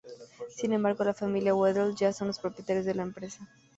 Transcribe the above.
Sin embargo, la familia Wedel ya no son los propietarios de la empresa.